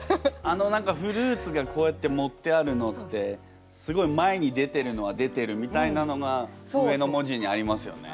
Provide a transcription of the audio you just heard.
あの何かフルーツがこうやってもってあるのってすごい前に出てるのは出てるみたいなのが上の文字にありますよね。